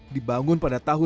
dibangun pada tahun dua ribu